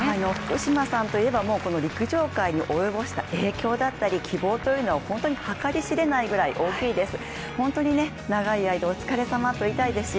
福島さんといえば陸上界に及ぼした影響だったり希望というのは、本当に計り知れないほど大きいです。